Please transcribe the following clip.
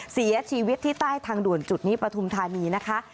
เสียชีวิตที่ใต้ทางด่วนจุดนี้ปฐุมธานีนะคะ